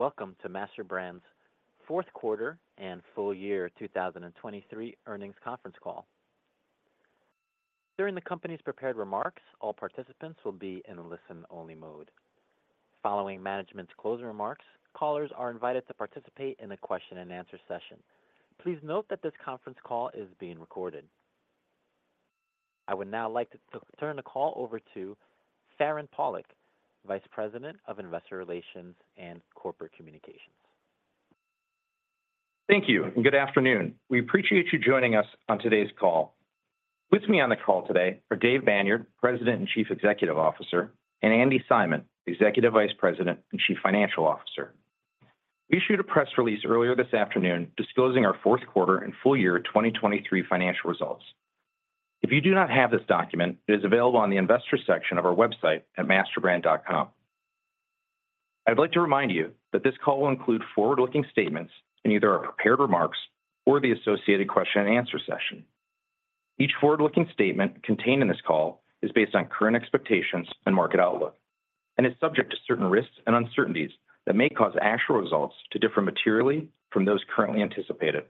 Welcome to MasterBrand's fourth quarter and full year 2023 earnings conference call. During the company's prepared remarks, all participants will be in a listen-only mode. Following management's closing remarks, callers are invited to participate in a question-and-answer session. Please note that this conference call is being recorded. I would now like to turn the call over to Farand Pawlak, Vice President of Investor Relations and Corporate Communications. Thank you, and good afternoon. We appreciate you joining us on today's call. With me on the call today are Dave Banyard, President and Chief Executive Officer, and Andi Simon, Executive Vice President and Chief Financial Officer. We issued a press release earlier this afternoon disclosing our fourth quarter and full year 2023 financial results. If you do not have this document, it is available on the Investors section of our website at masterbrand.com. I'd like to remind you that this call will include forward-looking statements in either our prepared remarks or the associated question-and-answer session. Each forward-looking statement contained in this call is based on current expectations and market outlook, and is subject to certain risks and uncertainties that may cause actual results to differ materially from those currently anticipated.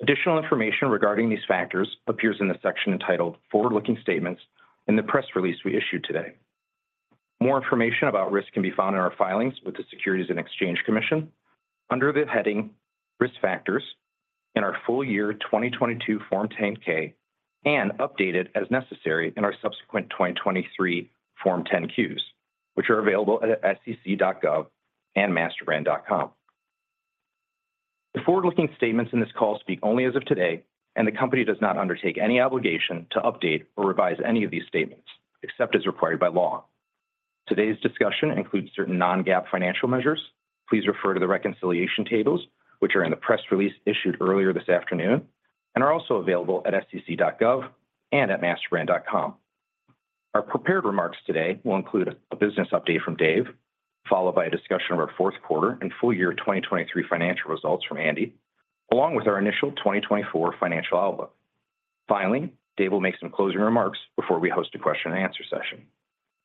Additional information regarding these factors appears in the section entitled "Forward-Looking Statements" in the press release we issued today. More information about risk can be found in our filings with the Securities and Exchange Commission under the heading "Risk Factors" in our full year 2022 Form 10-K and updated as necessary in our subsequent 2023 Form 10-Qs, which are available at sec.gov and masterbrand.com. The forward-looking statements in this call speak only as of today, and the company does not undertake any obligation to update or revise any of these statements except as required by law. Today's discussion includes certain non-GAAP financial measures. Please refer to the reconciliation tables, which are in the press release issued earlier this afternoon and are also available at sec.gov and at masterbrand.com. Our prepared remarks today will include a business update from Dave, followed by a discussion of our fourth quarter and full year 2023 financial results from Andi, along with our initial 2024 financial outlook. Finally, Dave will make some closing remarks before we host a question-and-answer session.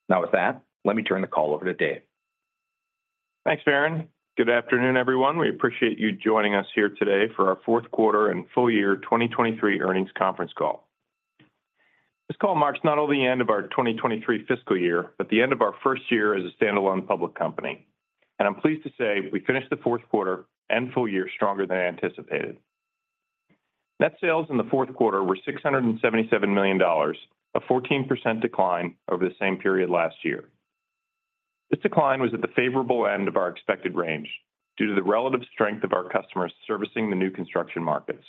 Now, with that, let me turn the call over to Dave. Thanks, Farand. Good afternoon, everyone. We appreciate you joining us here today for our fourth quarter and full year 2023 earnings conference call. This call marks not only the end of our 2023 fiscal year, but the end of our first year as a standalone public company. I'm pleased to say we finished the fourth quarter and full year stronger than anticipated. Net sales in the fourth quarter were $677 million, a 14% decline over the same period last year. This decline was at the favorable end of our expected range due to the relative strength of our customers servicing the new construction markets.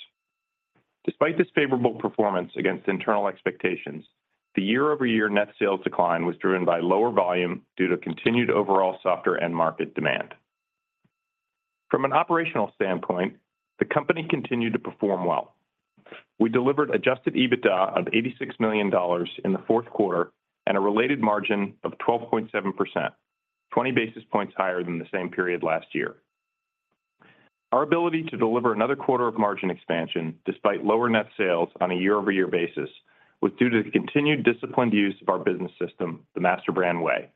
Despite this favorable performance against internal expectations, the year-over-year net sales decline was driven by lower volume due to continued overall softer end-market demand. From an operational standpoint, the company continued to perform well. We delivered adjusted EBITDA of $86 million in the fourth quarter and a related margin of 12.7%, 20 basis points higher than the same period last year. Our ability to deliver another quarter of margin expansion despite lower net sales on a year-over-year basis was due to the continued disciplined use of our business system, The MasterBrand Way.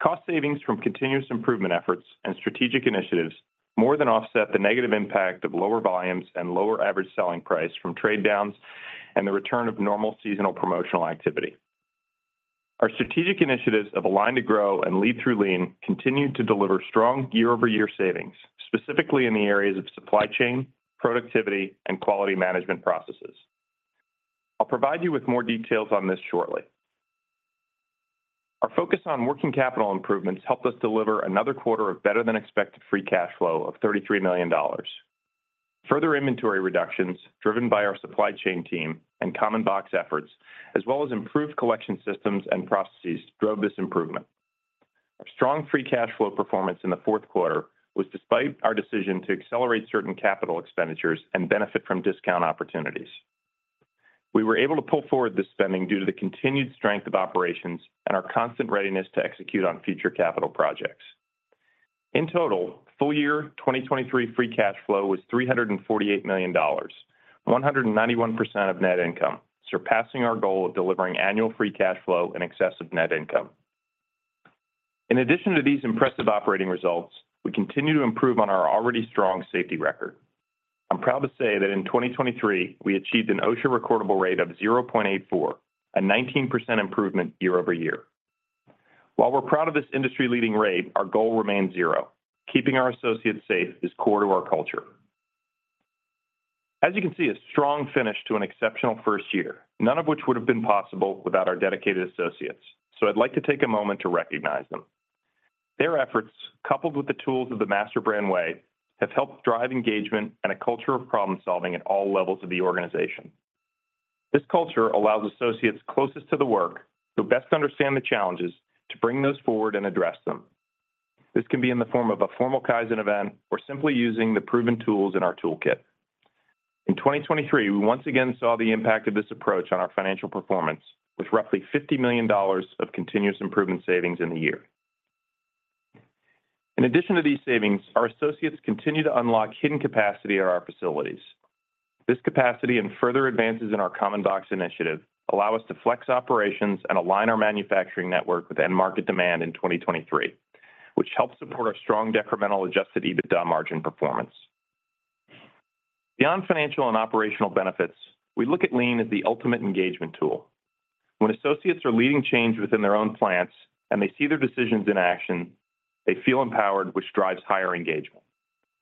Cost savings from continuous improvement efforts and strategic initiatives more than offset the negative impact of lower volumes and lower average selling price from trade downs and the return of normal seasonal promotional activity. Our strategic initiatives of Align to Grow and Lead Through Lean continued to deliver strong year-over-year savings, specifically in the areas of supply chain, productivity, and quality management processes. I'll provide you with more details on this shortly. Our focus on working capital improvements helped us deliver another quarter of better-than-expected Free Cash Flow of $33 million. Further inventory reductions driven by our supply chain team and Common Box efforts, as well as improved collection systems and processes, drove this improvement. Our strong free cash flow performance in the fourth quarter was despite our decision to accelerate certain capital expenditures and benefit from discount opportunities. We were able to pull forward this spending due to the continued strength of operations and our constant readiness to execute on future capital projects. In total, full year 2023 free cash flow was $348 million, 191% of net income, surpassing our goal of delivering annual free cash flow in excess of net income. In addition to these impressive operating results, we continue to improve on our already strong safety record. I'm proud to say that in 2023, we achieved an OSHA recordable rate of 0.84, a 19% improvement year-over-year. While we're proud of this industry-leading rate, our goal remains zero. Keeping our associates safe is core to our culture. As you can see, a strong finish to an exceptional first year, none of which would have been possible without our dedicated associates. So I'd like to take a moment to recognize them. Their efforts, coupled with the tools of The MasterBrand Way, have helped drive engagement and a culture of problem-solving at all levels of the organization. This culture allows associates closest to the work who best understand the challenges to bring those forward and address them. This can be in the form of a formal Kaizen event or simply using the proven tools in our toolkit. In 2023, we once again saw the impact of this approach on our financial performance, with roughly $50 million of continuous improvement savings in the year. In addition to these savings, our associates continue to unlock hidden capacity at our facilities. This capacity and further advances in our Common Box initiative allow us to flex operations and align our manufacturing network with end-market demand in 2023, which helps support our strong decremental adjusted EBITDA margin performance. Beyond financial and operational benefits, we look at Lean as the ultimate engagement tool. When associates are leading change within their own plants and they see their decisions in action, they feel empowered, which drives higher engagement.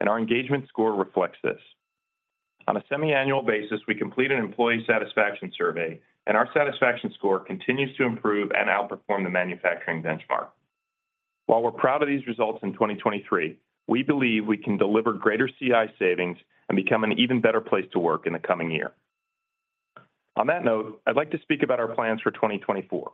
Our engagement score reflects this. On a semi-annual basis, we complete an employee satisfaction survey, and our satisfaction score continues to improve and outperform the manufacturing benchmark. While we're proud of these results in 2023, we believe we can deliver greater CI savings and become an even better place to work in the coming year. On that note, I'd like to speak about our plans for 2024,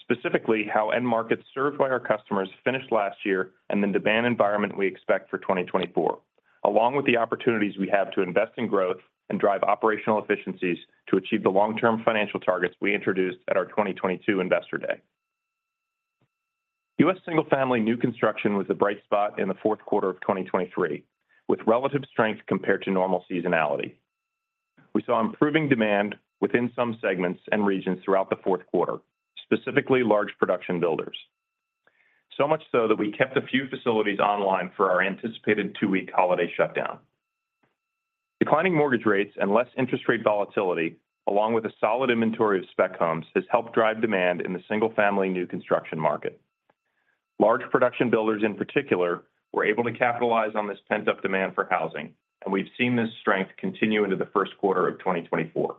specifically how end-markets served by our customers finished last year and the demand environment we expect for 2024, along with the opportunities we have to invest in growth and drive operational efficiencies to achieve the long-term financial targets we introduced at our 2022 Investor Day. U.S. single-family new construction was the bright spot in the fourth quarter of 2023, with relative strength compared to normal seasonality. We saw improving demand within some segments and regions throughout the fourth quarter, specifically large production builders, so much so that we kept a few facilities online for our anticipated 2-week holiday shutdown. Declining mortgage rates and less interest rate volatility, along with a solid inventory of spec homes, has helped drive demand in the single-family new construction market. Large production builders, in particular, were able to capitalize on this pent-up demand for housing, and we've seen this strength continue into the first quarter of 2024.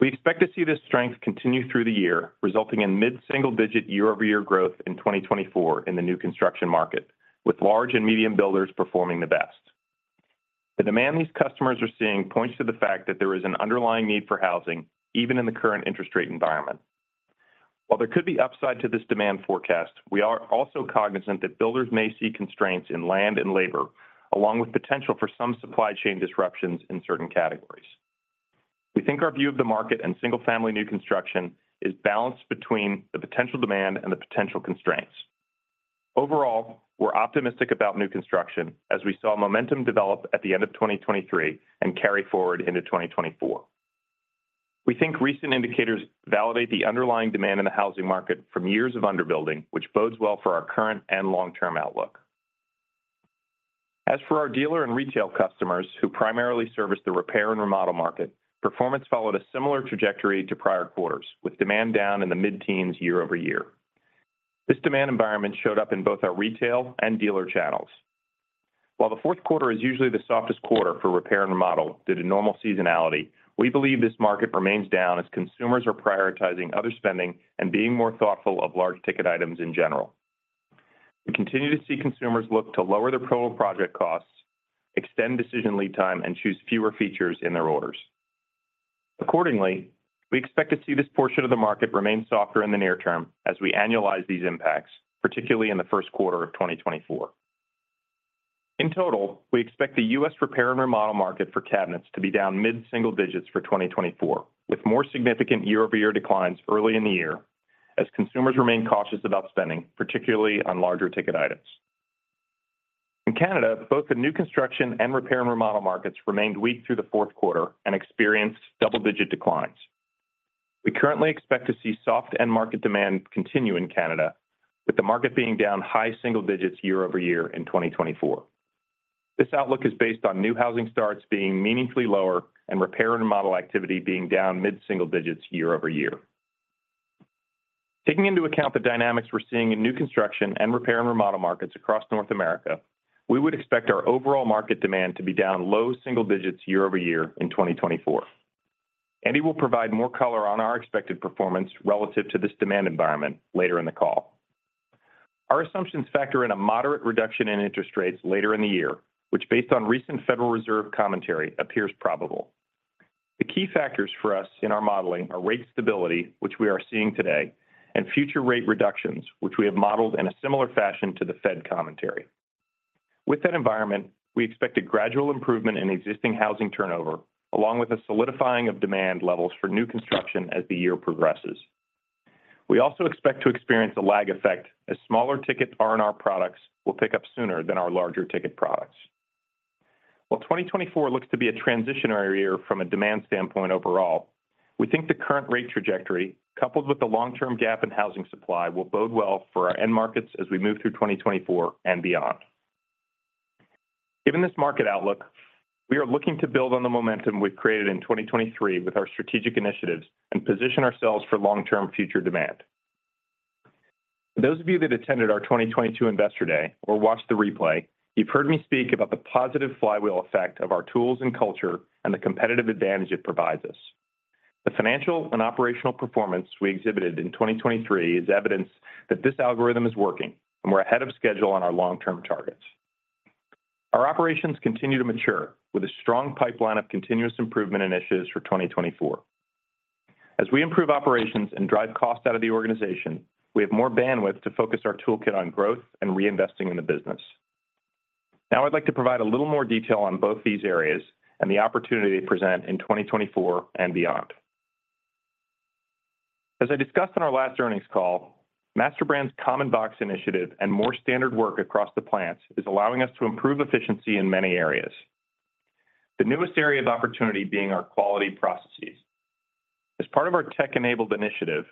We expect to see this strength continue through the year, resulting in mid-single-digit year-over-year growth in 2024 in the new construction market, with large and medium builders performing the best. The demand these customers are seeing points to the fact that there is an underlying need for housing, even in the current interest rate environment. While there could be upside to this demand forecast, we are also cognizant that builders may see constraints in land and labor, along with potential for some supply chain disruptions in certain categories. We think our view of the market and single-family new construction is balanced between the potential demand and the potential constraints. Overall, we're optimistic about new construction as we saw momentum develop at the end of 2023 and carry forward into 2024. We think recent indicators validate the underlying demand in the housing market from years of underbuilding, which bodes well for our current and long-term outlook. As for our dealer and retail customers who primarily service the repair and remodel market, performance followed a similar trajectory to prior quarters, with demand down in the mid-teens year-over-year. This demand environment showed up in both our retail and dealer channels. While the fourth quarter is usually the softest quarter for repair and remodel due to normal seasonality, we believe this market remains down as consumers are prioritizing other spending and being more thoughtful of large-ticket items in general. We continue to see consumers look to lower their total project costs, extend decision lead time, and choose fewer features in their orders. Accordingly, we expect to see this portion of the market remain softer in the near term as we annualize these impacts, particularly in the first quarter of 2024. In total, we expect the U.S. repair and remodel market for cabinets to be down mid-single digits for 2024, with more significant year-over-year declines early in the year as consumers remain cautious about spending, particularly on larger-ticket items. In Canada, both the new construction and repair and remodel markets remained weak through the fourth quarter and experienced double-digit declines. We currently expect to see soft end-market demand continue in Canada, with the market being down high single digits year over year in 2024. This outlook is based on new housing starts being meaningfully lower and repair and remodel activity being down mid-single digits year-over-year. Taking into account the dynamics we're seeing in new construction and repair and remodel markets across North America, we would expect our overall market demand to be down low single digits year-over-year in 2024. Andi will provide more color on our expected performance relative to this demand environment later in the call. Our assumptions factor in a moderate reduction in interest rates later in the year, which, based on recent Federal Reserve commentary, appears probable. The key factors for us in our modeling are rate stability, which we are seeing today, and future rate reductions, which we have modeled in a similar fashion to the Fed commentary. With that environment, we expect a gradual improvement in existing housing turnover, along with a solidifying of demand levels for new construction as the year progresses. We also expect to experience a lag effect as smaller-ticket R&R products will pick up sooner than our larger-ticket products. While 2024 looks to be a transitionary year from a demand standpoint overall, we think the current rate trajectory, coupled with the long-term gap in housing supply, will bode well for our end markets as we move through 2024 and beyond. Given this market outlook, we are looking to build on the momentum we've created in 2023 with our strategic initiatives and position ourselves for long-term future demand. For those of you that attended our 2022 Investor Day or watched the replay, you've heard me speak about the positive flywheel effect of our tools and culture and the competitive advantage it provides us. The financial and operational performance we exhibited in 2023 is evidence that this algorithm is working and we're ahead of schedule on our long-term targets. Our operations continue to mature with a strong pipeline of continuous improvement initiatives for 2024. As we improve operations and drive cost out of the organization, we have more bandwidth to focus our toolkit on growth and reinvesting in the business. Now, I'd like to provide a little more detail on both these areas and the opportunity they present in 2024 and beyond. As I discussed in our last earnings call, MasterBrand's Common Box initiative and more standard work across the plants is allowing us to improve efficiency in many areas, the newest area of opportunity being our quality processes. As part of our Tech-Enabled initiative,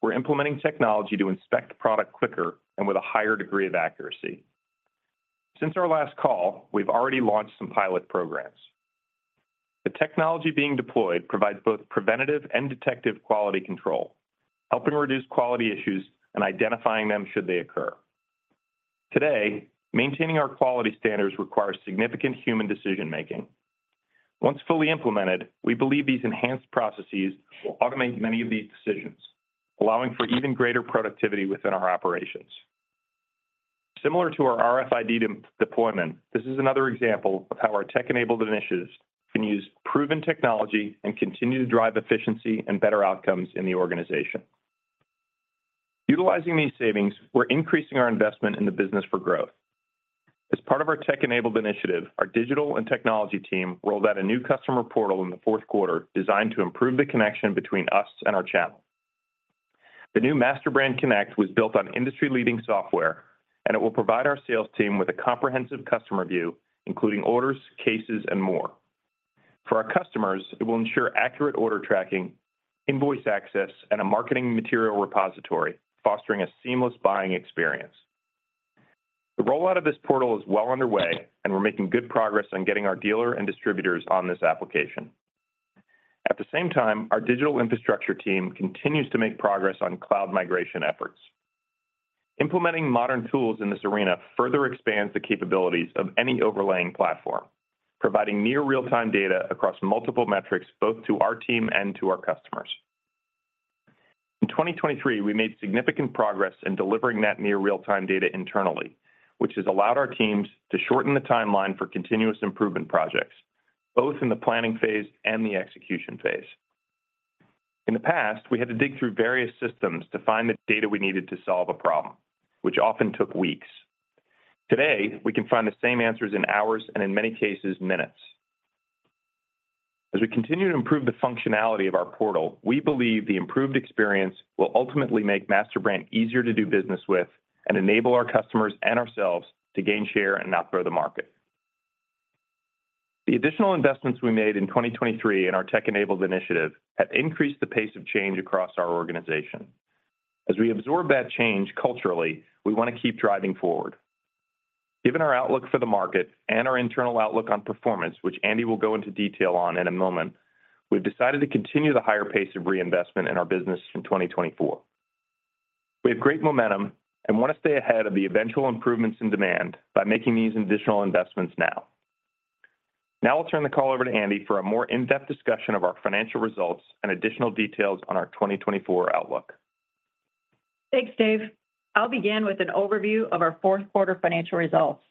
we're implementing technology to inspect product quicker and with a higher degree of accuracy. Since our last call, we've already launched some pilot programs. The technology being deployed provides both preventative and detective quality control, helping reduce quality issues and identifying them should they occur. Today, maintaining our quality standards requires significant human decision-making. Once fully implemented, we believe these enhanced processes will automate many of these decisions, allowing for even greater productivity within our operations. Similar to our RFID deployment, this is another example of how our Tech-Enabled initiatives can use proven technology and continue to drive efficiency and better outcomes in the organization. Utilizing these savings, we're increasing our investment in the business for growth. As part of our Tech-Enabled initiative, our digital and technology team rolled out a new customer portal in the fourth quarter designed to improve the connection between us and our channel. The new MasterBrand Connect was built on industry-leading software, and it will provide our sales team with a comprehensive customer view, including orders, cases, and more. For our customers, it will ensure accurate order tracking, invoice access, and a marketing material repository, fostering a seamless buying experience. The rollout of this portal is well underway, and we're making good progress on getting our dealer and distributors on this application. At the same time, our digital infrastructure team continues to make progress on cloud migration efforts. Implementing modern tools in this arena further expands the capabilities of any overlaying platform, providing near-real-time data across multiple metrics both to our team and to our customers. In 2023, we made significant progress in delivering that near-real-time data internally, which has allowed our teams to shorten the timeline for continuous improvement projects, both in the planning phase and the execution phase. In the past, we had to dig through various systems to find the data we needed to solve a problem, which often took weeks. Today, we can find the same answers in hours and, in many cases, minutes. As we continue to improve the functionality of our portal, we believe the improved experience will ultimately make MasterBrand easier to do business with and enable our customers and ourselves to gain share and outgrow the market. The additional investments we made in 2023 in our Tech-Enabled initiative have increased the pace of change across our organization. As we absorb that change culturally, we want to keep driving forward. Given our outlook for the market and our internal outlook on performance, which Andi will go into detail on in a moment, we've decided to continue the higher pace of reinvestment in our business in 2024. We have great momentum and want to stay ahead of the eventual improvements in demand by making these additional investments now. Now, I'll turn the call over to Andi for a more in-depth discussion of our financial results and additional details on our 2024 outlook. Thanks, Dave. I'll begin with an overview of our fourth quarter financial results.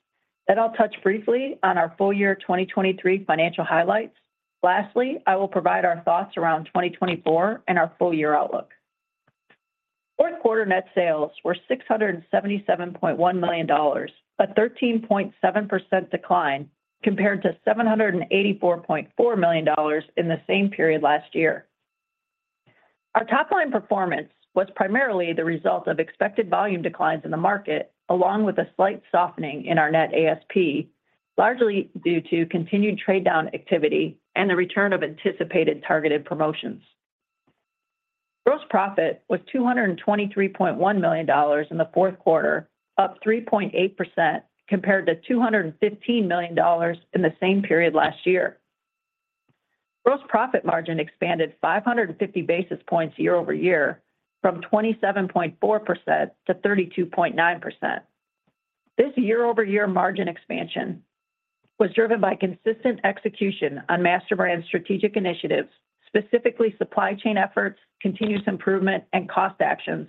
Then I'll touch briefly on our full-year 2023 financial highlights. Lastly, I will provide our thoughts around 2024 and our full-year outlook. Fourth quarter net sales were $677.1 million, a 13.7% decline compared to $784.4 million in the same period last year. Our top-line performance was primarily the result of expected volume declines in the market, along with a slight softening in our net ASP, largely due to continued trade-down activity and the return of anticipated targeted promotions. Gross profit was $223.1 million in the fourth quarter, up 3.8% compared to $215 million in the same period last year. Gross profit margin expanded 550 basis points year-over-year from 27.4% to 32.9%. This year-over-year margin expansion was driven by consistent execution on MasterBrand's strategic initiatives, specifically supply chain efforts, continuous improvement, and cost actions,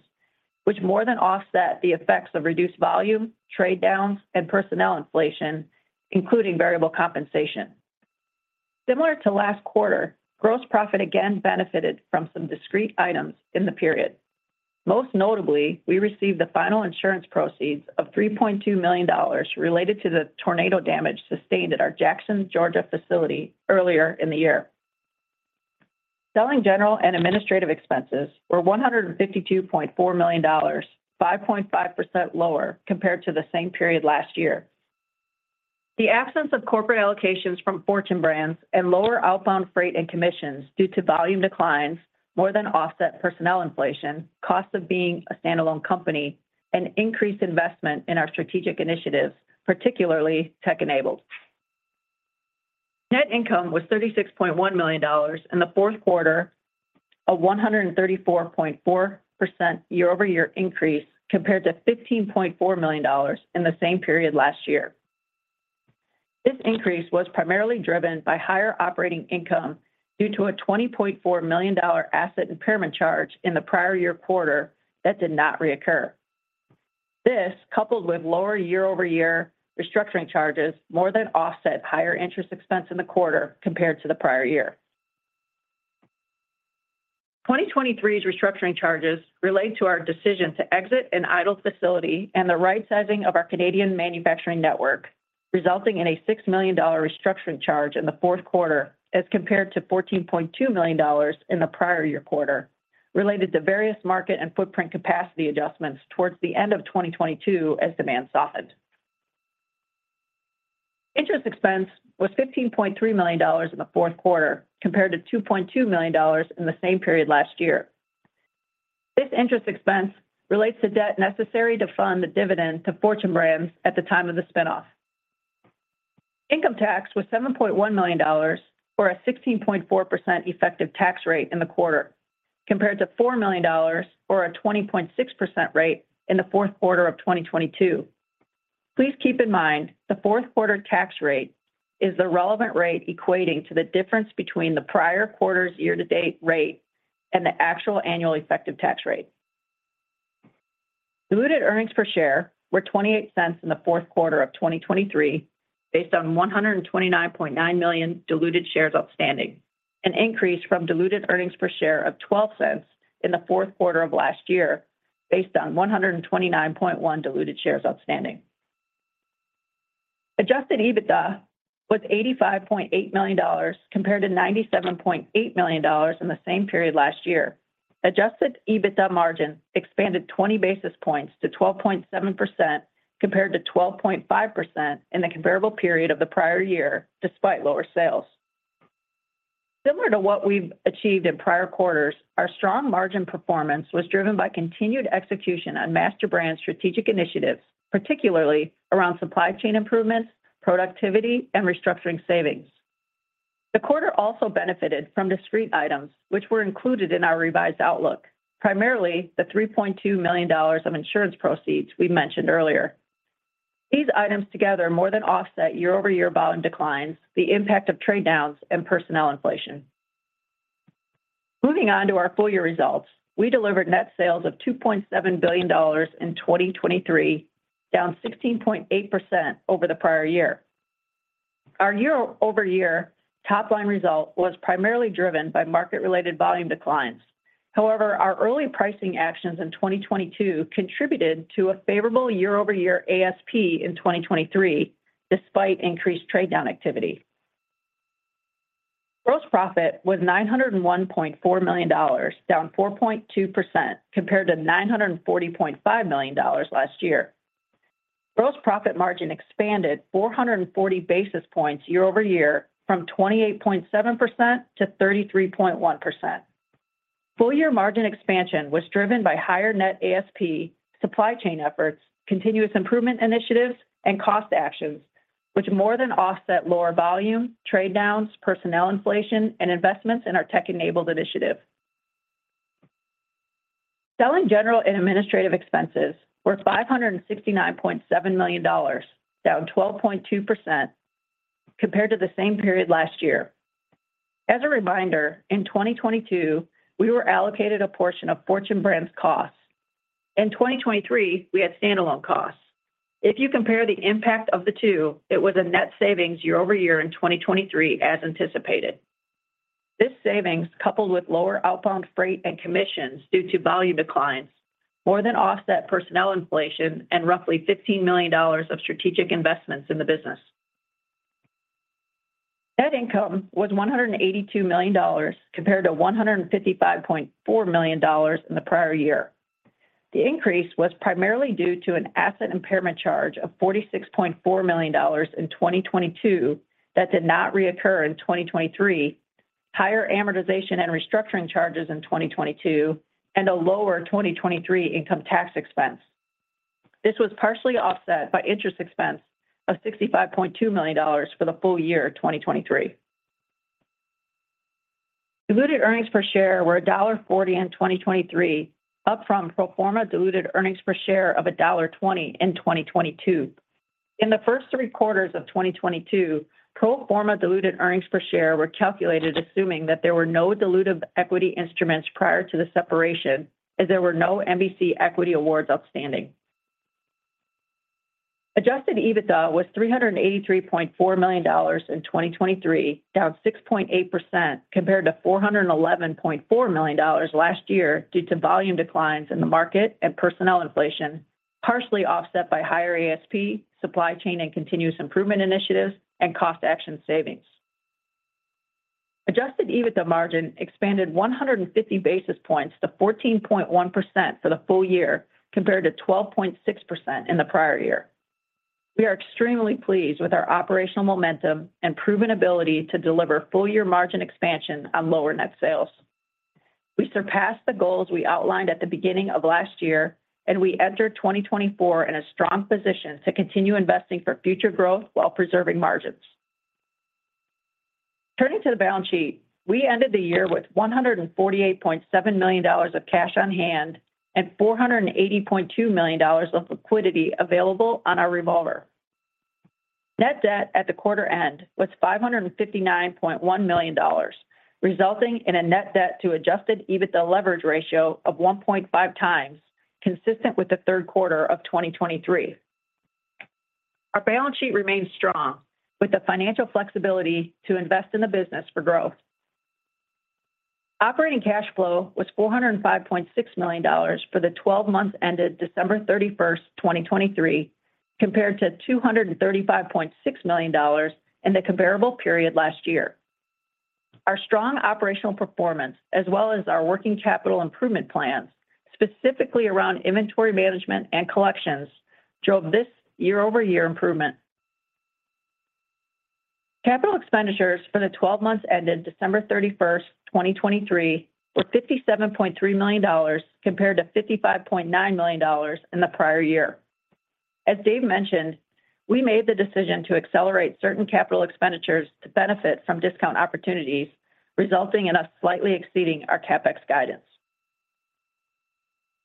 which more than offset the effects of reduced volume, trade-downs, and personnel inflation, including variable compensation. Similar to last quarter, gross profit again benefited from some discrete items in the period. Most notably, we received the final insurance proceeds of $3.2 million related to the tornado damage sustained at our Jackson, Georgia facility earlier in the year. Selling general and administrative expenses were $152.4 million, 5.5% lower compared to the same period last year. The absence of corporate allocations from Fortune Brands and lower outbound freight and commissions due to volume declines more than offset personnel inflation, costs of being a standalone company, and increased investment in our strategic initiatives, particularly Tech-Enabled. Net income was $36.1 million in the fourth quarter, a 134.4% year-over-year increase compared to $15.4 million in the same period last year. This increase was primarily driven by higher operating income due to a $20.4 million asset impairment charge in the prior year quarter that did not reoccur. This, coupled with lower year-over-year restructuring charges, more than offset higher interest expense in the quarter compared to the prior year. 2023's restructuring charges related to our decision to exit an idle facility and the right-sizing of our Canadian manufacturing network, resulting in a $6 million restructuring charge in the fourth quarter as compared to $14.2 million in the prior year quarter, related to various market and footprint capacity adjustments towards the end of 2022 as demand softened. Interest expense was $15.3 million in the fourth quarter compared to $2.2 million in the same period last year. This interest expense relates to debt necessary to fund the dividend to Fortune Brands at the time of the spinoff. Income tax was $7.1 million or a 16.4% effective tax rate in the quarter, compared to $4 million or a 20.6% rate in the fourth quarter of 2022. Please keep in mind the fourth quarter tax rate is the relevant rate equating to the difference between the prior quarter's year-to-date rate and the actual annual effective tax rate. Diluted earnings per share were $0.28 in the fourth quarter of 2023 based on 129.9 million diluted shares outstanding, an increase from diluted earnings per share of $0.12 in the fourth quarter of last year based on 129.1 diluted shares outstanding. Adjusted EBITDA was $85.8 million compared to $97.8 million in the same period last year. Adjusted EBITDA margin expanded 20 basis points to 12.7% compared to 12.5% in the comparable period of the prior year despite lower sales. Similar to what we've achieved in prior quarters, our strong margin performance was driven by continued execution on MasterBrand's strategic initiatives, particularly around supply chain improvements, productivity, and restructuring savings. The quarter also benefited from discrete items, which were included in our revised outlook, primarily the $3.2 million of insurance proceeds we mentioned earlier. These items together more than offset year-over-year volume declines, the impact of trade-downs, and personnel inflation. Moving on to our full-year results, we delivered net sales of $2.7 billion in 2023, down 16.8% over the prior year. Our year-over-year top-line result was primarily driven by market-related volume declines. However, our early pricing actions in 2022 contributed to a favorable year-over-year ASP in 2023 despite increased trade-down activity. Gross profit was $901.4 million, down 4.2% compared to $940.5 million last year. Gross profit margin expanded 440 basis points year-over-year from 28.7% to 33.1%. Full-year margin expansion was driven by higher net ASP, supply chain efforts, continuous improvement initiatives, and cost actions, which more than offset lower volume, trade-downs, personnel inflation, and investments in our Tech-Enabled initiative. Selling general and administrative expenses were $569.7 million, down 12.2% compared to the same period last year. As a reminder, in 2022, we were allocated a portion of Fortune Brands' costs. In 2023, we had standalone costs. If you compare the impact of the two, it was a net savings year-over-year in 2023 as anticipated. This savings, coupled with lower outbound freight and commissions due to volume declines, more than offset personnel inflation and roughly $15 million of strategic investments in the business. Net income was $182 million compared to $155.4 million in the prior year. The increase was primarily due to an asset impairment charge of $46.4 million in 2022 that did not recur in 2023, higher amortization and restructuring charges in 2022, and a lower 2023 income tax expense. This was partially offset by interest expense of $65.2 million for the full year 2023. Diluted earnings per share were $1.40 in 2023, up from pro forma diluted earnings per share of $1.20 in 2022. In the first three quarters of 2022, pro forma diluted earnings per share were calculated assuming that there were no dilutive equity instruments prior to the separation, as there were no MBC equity awards outstanding. Adjusted EBITDA was $383.4 million in 2023, down 6.8% compared to $411.4 million last year due to volume declines in the market and personnel inflation, partially offset by higher ASP, supply chain and continuous improvement initiatives, and cost action savings. Adjusted EBITDA margin expanded 150 basis points to 14.1% for the full year compared to 12.6% in the prior year. We are extremely pleased with our operational momentum and proven ability to deliver full-year margin expansion on lower net sales. We surpassed the goals we outlined at the beginning of last year, and we enter 2024 in a strong position to continue investing for future growth while preserving margins. Turning to the balance sheet, we ended the year with $148.7 million of cash on hand and $480.2 million of liquidity available on our revolver. Net debt at the quarter end was $559.1 million, resulting in a net debt to adjusted EBITDA leverage ratio of 1.5x, consistent with the third quarter of 2023. Our balance sheet remains strong, with the financial flexibility to invest in the business for growth. Operating cash flow was $405.6 million for the 12 months ended December 31st, 2023, compared to $235.6 million in the comparable period last year. Our strong operational performance, as well as our working capital improvement plans, specifically around inventory management and collections, drove this year-over-year improvement. Capital expenditures for the 12 months ended December 31st, 2023, were $57.3 million compared to $55.9 million in the prior year. As Dave mentioned, we made the decision to accelerate certain capital expenditures to benefit from discount opportunities, resulting in us slightly exceeding our CapEx guidance.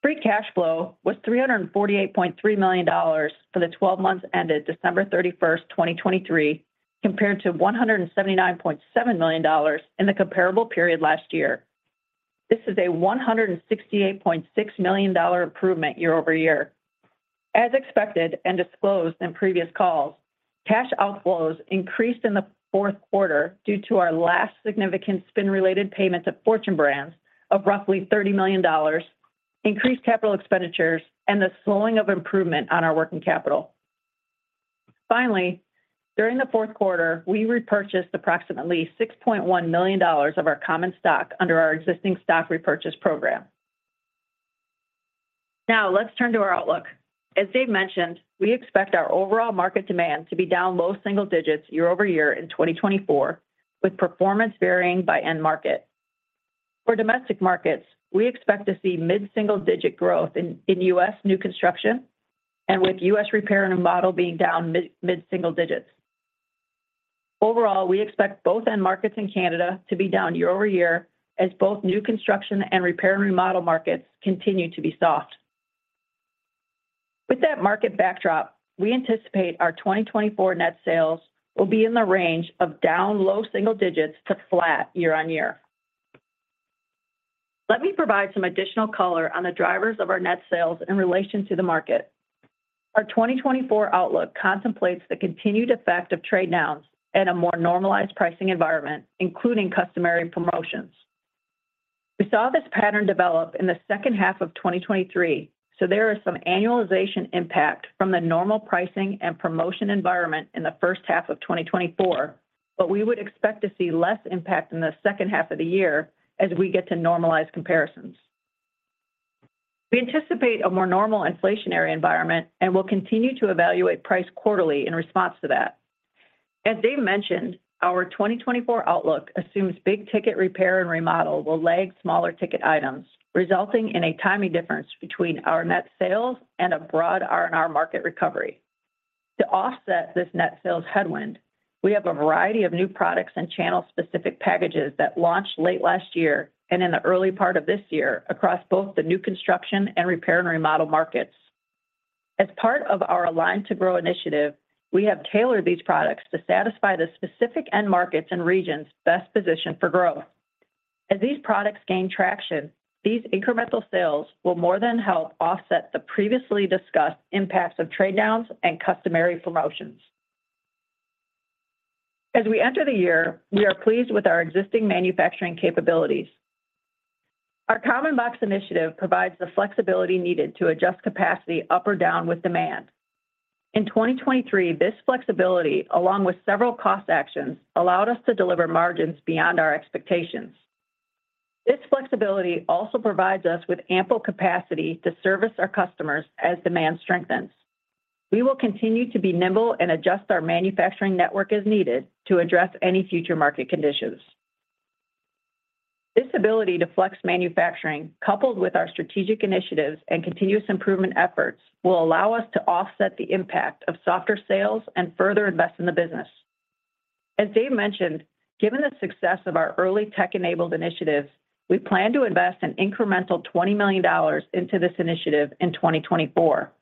Free cash flow was $348.3 million for the 12 months ended December 31st, 2023, compared to $179.7 million in the comparable period last year. This is a $168.6 million improvement year-over-year. As expected and disclosed in previous calls, cash outflows increased in the fourth quarter due to our last significant spin-related payment to Fortune Brands of roughly $30 million, increased capital expenditures, and the slowing of improvement on our working capital. Finally, during the fourth quarter, we repurchased approximately $6.1 million of our common stock under our existing stock repurchase program. Now, let's turn to our outlook. As Dave mentioned, we expect our overall market demand to be down low single digits year-over-year in 2024, with performance varying by end market. For domestic markets, we expect to see mid-single digit growth in U.S. new construction, and with U.S. repair and remodel being down mid-single digits. Overall, we expect both end markets in Canada to be down year-over-year as both new construction and repair and remodel markets continue to be soft. With that market backdrop, we anticipate our 2024 net sales will be in the range of down low single digits to flat year-on-year. Let me provide some additional color on the drivers of our net sales in relation to the market. Our 2024 outlook contemplates the continued effect of trade-downs and a more normalized pricing environment, including customary promotions. We saw this pattern develop in the second half of 2023, so there is some annualization impact from the normal pricing and promotion environment in the first half of 2024, but we would expect to see less impact in the second half of the year as we get to normalize comparisons. We anticipate a more normal inflationary environment and will continue to evaluate price quarterly in response to that. As Dave mentioned, our 2024 outlook assumes big-ticket repair and remodel will lag smaller-ticket items, resulting in a timing difference between our net sales and a broad R&R market recovery. To offset this net sales headwind, we have a variety of new products and channel-specific packages that launched late last year and in the early part of this year across both the new construction and repair and remodel markets. As part of our Align to Grow initiative, we have tailored these products to satisfy the specific end markets and regions best positioned for growth. As these products gain traction, these incremental sales will more than help offset the previously discussed impacts of trade-downs and customary promotions. As we enter the year, we are pleased with our existing manufacturing capabilities. Our Common Box initiative provides the flexibility needed to adjust capacity up or down with demand. In 2023, this flexibility, along with several cost actions, allowed us to deliver margins beyond our expectations. This flexibility also provides us with ample capacity to service our customers as demand strengthens. We will continue to be nimble and adjust our manufacturing network as needed to address any future market conditions. This ability to flex manufacturing, coupled with our strategic initiatives and continuous improvement efforts, will allow us to offset the impact of softer sales and further invest in the business. As Dave mentioned, given the success of our early Tech-Enabled initiatives, we plan to invest an incremental $20 million into this initiative in 2024.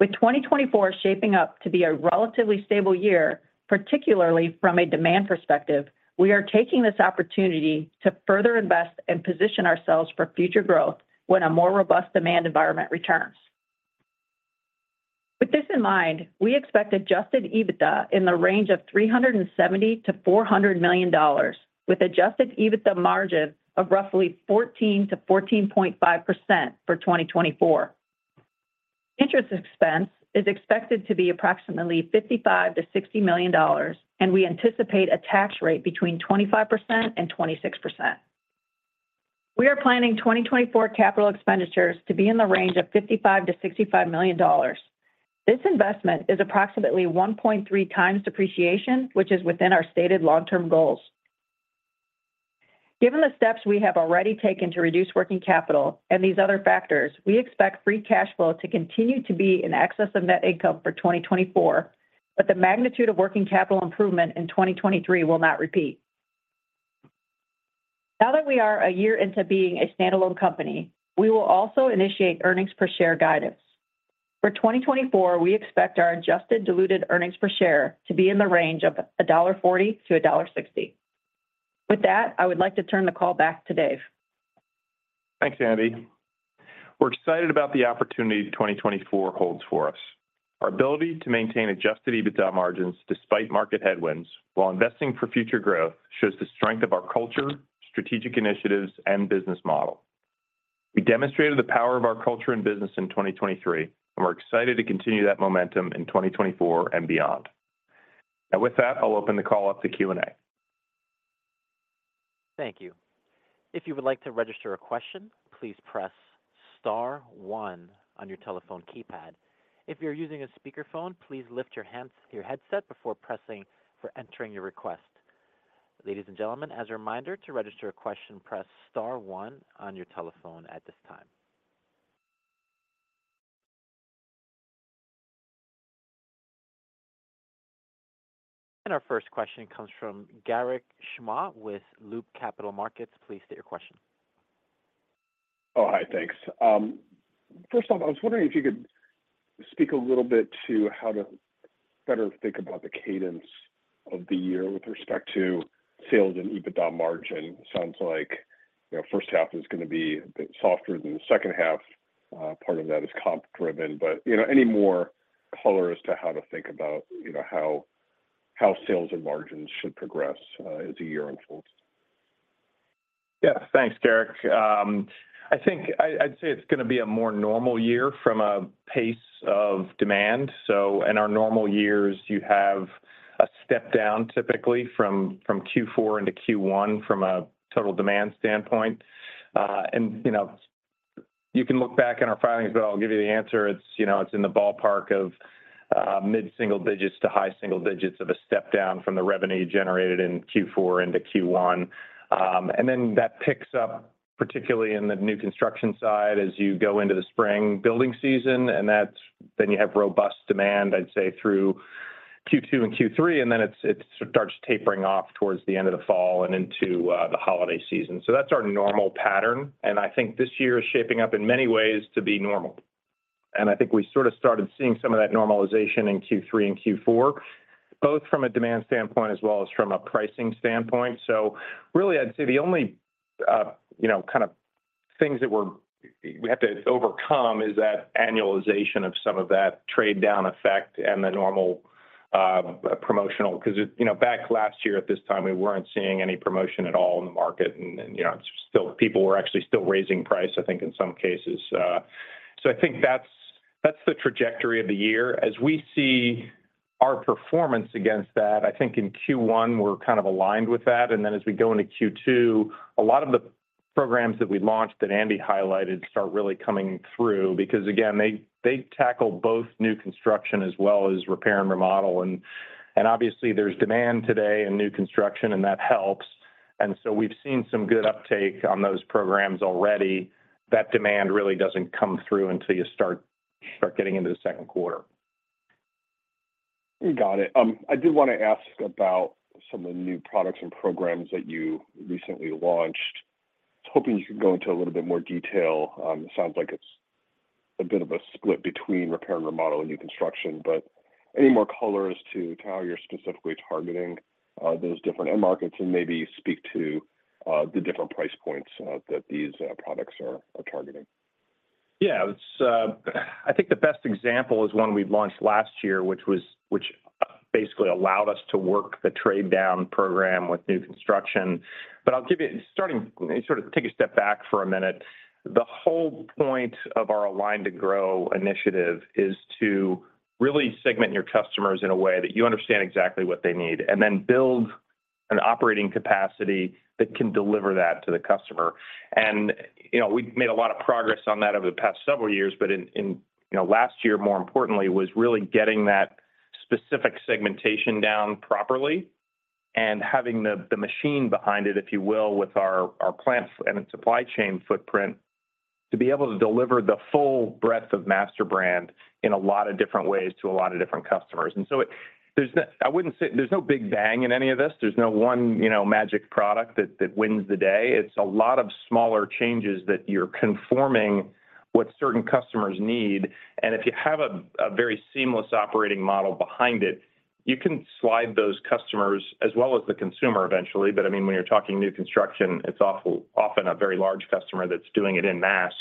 With 2024 shaping up to be a relatively stable year, particularly from a demand perspective, we are taking this opportunity to further invest and position ourselves for future growth when a more robust demand environment returns. With this in mind, we expect adjusted EBITDA in the range of $370 million-$400 million, with adjusted EBITDA margin of roughly 14%-14.5% for 2024. Interest expense is expected to be approximately $55 million-$60 million, and we anticipate a tax rate between 25%-26%. We are planning 2024 capital expenditures to be in the range of $55 million-$65 million. This investment is approximately 1.3x depreciation, which is within our stated long-term goals. Given the steps we have already taken to reduce working capital and these other factors, we expect free cash flow to continue to be in excess of net income for 2024, but the magnitude of working capital improvement in 2023 will not repeat. Now that we are a year into being a standalone company, we will also initiate earnings per share guidance. For 2024, we expect our adjusted diluted earnings per share to be in the range of $1.40-$1.60. With that, I would like to turn the call back to Dave. Thanks, Andi. We're excited about the opportunity 2024 holds for us. Our ability to maintain adjusted EBITDA margins despite market headwinds while investing for future growth shows the strength of our culture, strategic initiatives, and business model. We demonstrated the power of our culture and business in 2023, and we're excited to continue that momentum in 2024 and beyond. Now, with that, I'll open the call up to Q&A. Thank you. If you would like to register a question, please press star one on your telephone keypad. If you're using a speakerphone, please lift your headset before pressing for entering your request. Ladies and gentlemen, as a reminder, to register a question, press star one on your telephone at this time. Our first question comes from Garik Shmois with Loop Capital Markets. Please state your question. Oh, hi. Thanks. First off, I was wondering if you could speak a little bit to how to better think about the cadence of the year with respect to sales and EBITDA margin. Sounds like first half is going to be a bit softer than the second half. Part of that is comp driven, but any more color as to how to think about how sales and margins should progress as the year unfolds? Yeah. Thanks, Garrick. I'd say it's going to be a more normal year from a pace of demand. So in our normal years, you have a step down typically from Q4 into Q1 from a total demand standpoint. And you can look back in our filings, but I'll give you the answer. It's in the ballpark of mid-single digits to high single digits of a step down from the revenue generated in Q4 into Q1. And then that picks up, particularly in the new construction side, as you go into the spring building season, and then you have robust demand, I'd say, through Q2 and Q3, and then it starts tapering off towards the end of the fall and into the holiday season. So that's our normal pattern. And I think this year is shaping up in many ways to be normal. And I think we sort of started seeing some of that normalization in Q3 and Q4, both from a demand standpoint as well as from a pricing standpoint. So, really, I'd say the only kind of things that we have to overcome is that annualization of some of that trade-down effect and the normal promotional, because back last year at this time, we weren't seeing any promotion at all in the market. And people were actually still raising price, I think, in some cases. So, I think that's the trajectory of the year. As we see our performance against that, I think in Q1, we're kind of aligned with that. And then as we go into Q2, a lot of the programs that we launched that Andi highlighted start really coming through because, again, they tackle both new construction as well as repair and remodel. And obviously, there's demand today in new construction, and that helps. And so we've seen some good uptake on those programs already. That demand really doesn't come through until you start getting into the second quarter. Got it. I did want to ask about some of the new products and programs that you recently launched. I was hoping you could go into a little bit more detail. It sounds like it's a bit of a split between repair and remodel and new construction. But any more color as to how you're specifically targeting those different end markets and maybe speak to the different price points that these products are targeting? Yeah. I think the best example is one we launched last year, which basically allowed us to work the trade-down program with new construction. But I'll give you starting sort of take a step back for a minute. The whole point of our Align to Grow initiative is to really segment your customers in a way that you understand exactly what they need, and then build an operating capacity that can deliver that to the customer. We've made a lot of progress on that over the past several years, but last year, more importantly, was really getting that specific segmentation down properly and having the machine behind it, if you will, with our plant and supply chain footprint to be able to deliver the full breadth of MasterBrand in a lot of different ways to a lot of different customers. So I wouldn't say there's no big bang in any of this. There's no one magic product that wins the day. It's a lot of smaller changes that you're conforming what certain customers need. And if you have a very seamless operating model behind it, you can slide those customers as well as the consumer eventually. But I mean, when you're talking new construction, it's often a very large customer that's doing it en masse.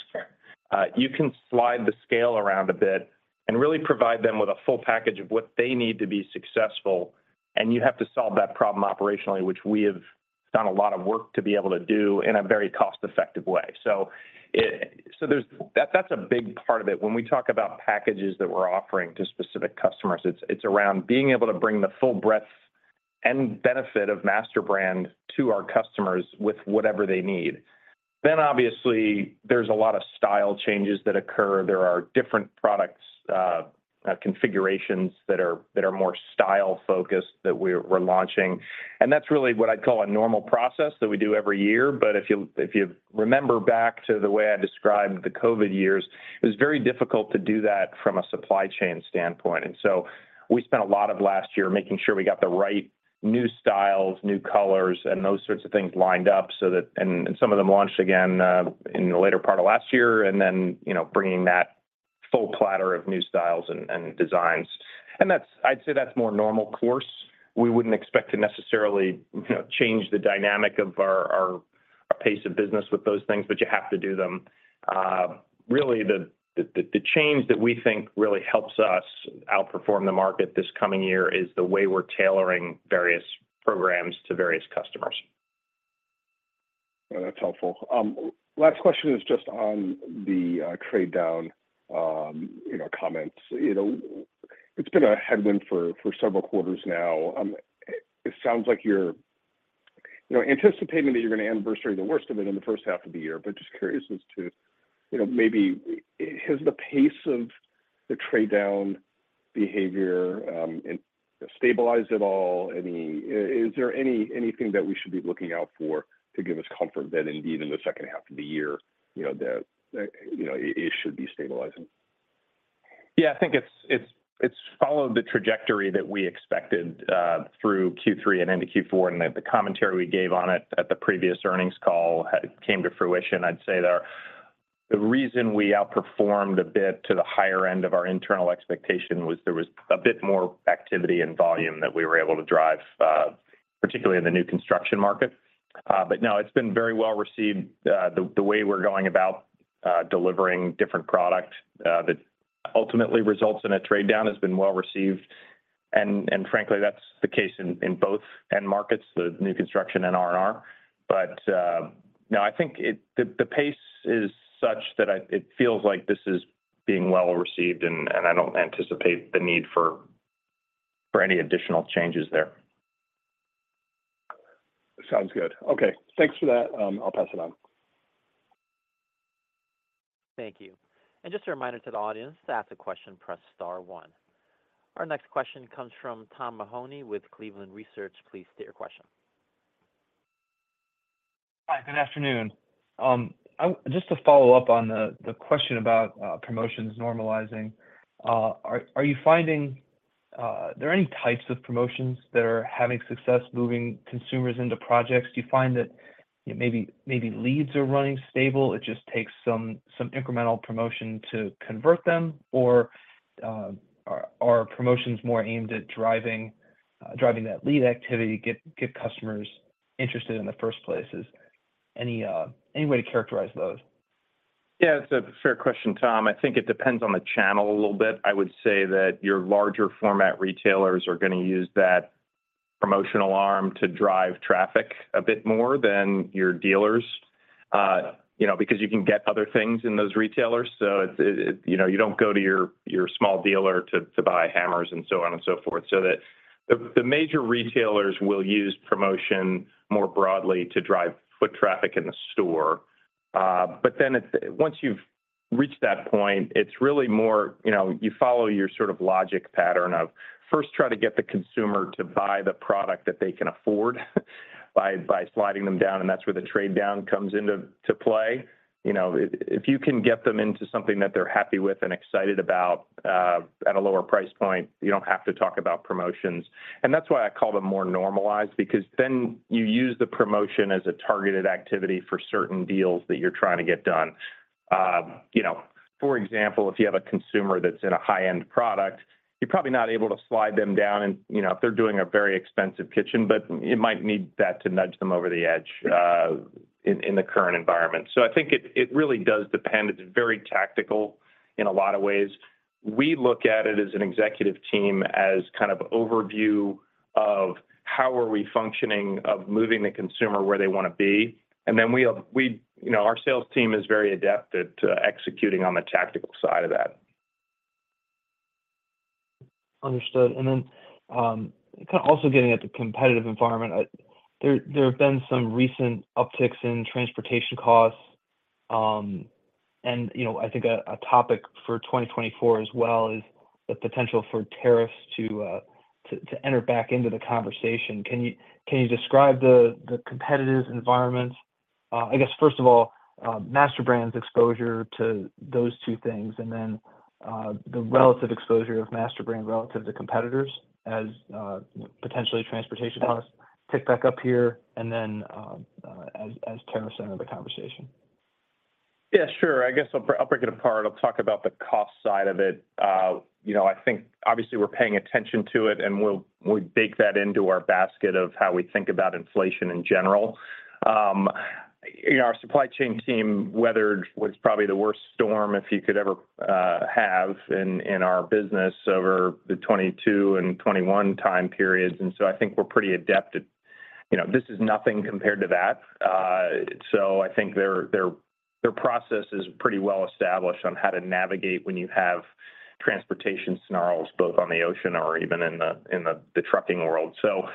You can slide the scale around a bit and really provide them with a full package of what they need to be successful. And you have to solve that problem operationally, which we have done a lot of work to be able to do in a very cost-effective way. So that's a big part of it. When we talk about packages that we're offering to specific customers, it's around being able to bring the full breadth and benefit of MasterBrand to our customers with whatever they need. Then obviously, there's a lot of style changes that occur. There are different product configurations that are more style-focused that we're launching. That's really what I'd call a normal process that we do every year. But if you remember back to the way I described the COVID years, it was very difficult to do that from a supply chain standpoint. So we spent a lot of last year making sure we got the right new styles, new colors, and those sorts of things lined up so that and some of them launched again in the later part of last year, and then bringing that full platter of new styles and designs. I'd say that's more normal course. We wouldn't expect to necessarily change the dynamic of our pace of business with those things, but you have to do them. Really, the change that we think really helps us outperform the market this coming year is the way we're tailoring various programs to various customers. That's helpful. Last question is just on the trade-down comments. It's been a headwind for several quarters now. It sounds like you're anticipating that you're going to anniversary the worst of it in the first half of the year, but just curious as to maybe has the pace of the trade-down behavior stabilized at all? Is there anything that we should be looking out for to give us comfort that indeed, in the second half of the year, that it should be stabilizing? Yeah. I think it's followed the trajectory that we expected through Q3 and into Q4, and the commentary we gave on it at the previous earnings call came to fruition, I'd say, there. The reason we outperformed a bit to the higher end of our internal expectation was there was a bit more activity and volume that we were able to drive, particularly in the new construction market. But no, it's been very well received. The way we're going about delivering different product that ultimately results in a trade-down has been well received. And frankly, that's the case in both end markets, the new construction and R&R. But no, I think the pace is such that it feels like this is being well received, and I don't anticipate the need for any additional changes there. Sounds good. Okay. Thanks for that. I'll pass it on. Thank you. And just a reminder to the audience, to ask a question, press star one. Our next question comes from Tom Mahoney with Cleveland Research. Please state your question. Hi. Good afternoon. Just to follow up on the question about promotions normalizing, are you finding there are any types of promotions that are having success moving consumers into projects? Do you find that maybe leads are running stable? It just takes some incremental promotion to convert them, or are promotions more aimed at driving that lead activity, get customers interested in the first place? Is there any way to characterize those? Yeah. It's a fair question, Tom. I think it depends on the channel a little bit. I would say that your larger format retailers are going to use that promotional arm to drive traffic a bit more than your dealers because you can get other things in those retailers. So you don't go to your small dealer to buy hammers and so on and so forth. So the major retailers will use promotion more broadly to drive foot traffic in the store. But then once you've reached that point, it's really more you follow your sort of logic pattern of first try to get the consumer to buy the product that they can afford by sliding them down, and that's where the trade-down comes into play. If you can get them into something that they're happy with and excited about at a lower price point, you don't have to talk about promotions. And that's why I call them more normalized because then you use the promotion as a targeted activity for certain deals that you're trying to get done. For example, if you have a consumer that's in a high-end product, you're probably not able to slide them down if they're doing a very expensive kitchen, but it might need that to nudge them over the edge in the current environment. So I think it really does depend. It's very tactical in a lot of ways. We look at it as an executive team as kind of overview of how are we functioning of moving the consumer where they want to be. And then our sales team is very adept at executing on the tactical side of that. Understood. And then kind of also getting at the competitive environment, there have been some recent upticks in transportation costs. And I think a topic for 2024 as well is the potential for tariffs to enter back into the conversation. Can you describe the competitive environment? I guess, first of all, MasterBrand's exposure to those two things, and then the relative exposure of MasterBrand relative to competitors as potentially transportation costs tick back up here, and then as tariffs enter the conversation. Yeah. Sure. I guess I'll break it apart. I'll talk about the cost side of it. I think, obviously, we're paying attention to it, and we bake that into our basket of how we think about inflation in general. Our supply chain team weathered what's probably the worst storm if you could ever have in our business over the 2022 and 2021 time periods. And so I think we're pretty adept at this. This is nothing compared to that. So I think their process is pretty well established on how to navigate when you have transportation snarls, both on the ocean or even in the trucking world. So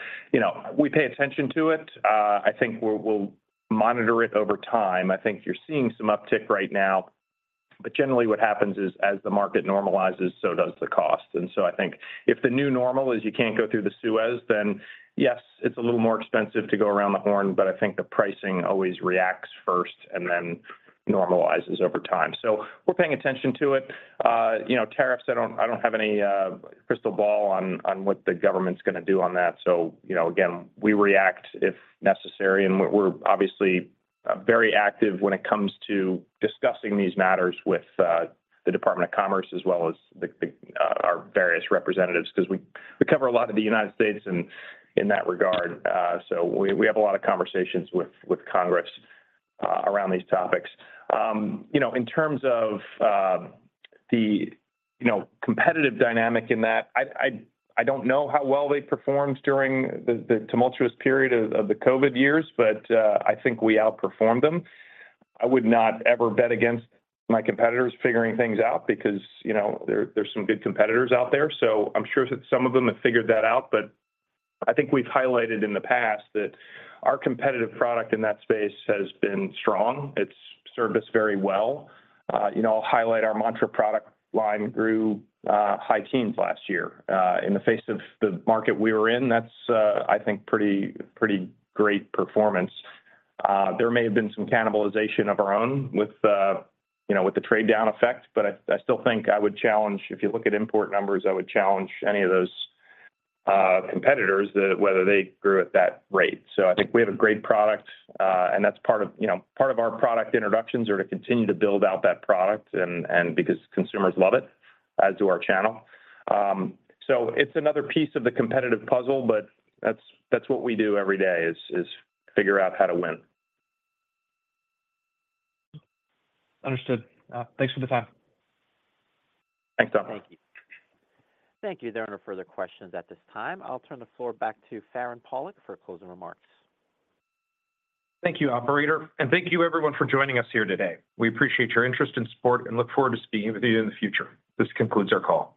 we pay attention to it. I think we'll monitor it over time. I think you're seeing some uptick right now. But generally, what happens is as the market normalizes, so does the cost. And so I think if the new normal is you can't go through the Suez, then yes, it's a little more expensive to go around the horn, but I think the pricing always reacts first and then normalizes over time. So we're paying attention to it. Tariffs, I don't have any crystal ball on what the government's going to do on that. So again, we react if necessary. And we're obviously very active when it comes to discussing these matters with the Department of Commerce as well as our various representatives because we cover a lot of the United States in that regard. So we have a lot of conversations with Congress around these topics. In terms of the competitive dynamic in that, I don't know how well they performed during the tumultuous period of the COVID years, but I think we outperformed them. I would not ever bet against my competitors figuring things out because there's some good competitors out there. So I'm sure that some of them have figured that out. But I think we've highlighted in the past that our competitive product in that space has been strong. It's served us very well. I'll highlight our Mantra product line, grew high teens last year. In the face of the market we were in, that's, I think, pretty great performance. There may have been some cannibalization of our own with the trade-down effect, but I still think I would challenge if you look at import numbers, I would challenge any of those competitors whether they grew at that rate. So I think we have a great product, and that's part of our product introductions are to continue to build out that product because consumers love it, as do our channel. It's another piece of the competitive puzzle, but that's what we do every day is figure out how to win. Understood. Thanks for the time. Thanks, Tom. Thank you. Thank you. There are no further questions at this time. I'll turn the floor back to Farand Pawlak for closing remarks. Thank you, operator. Thank you, everyone, for joining us here today. We appreciate your interest and support and look forward to speaking with you in the future. This concludes our call.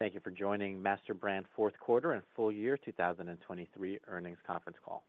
Thank you for joining MasterBrand fourth quarter and full year 2023 earnings conference call.